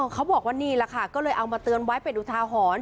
เขาบอกว่านี่แหละค่ะก็เลยเอามาเตือนไว้เป็นอุทาหรณ์